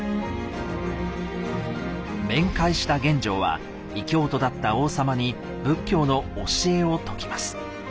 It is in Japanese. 面会した玄奘は異教徒だった王様に仏教の教えを説きます。